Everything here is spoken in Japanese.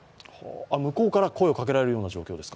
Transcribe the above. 向こうから声をかけられる状況ですか？